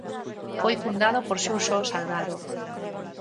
Foi fundado por Xurxo Salgado.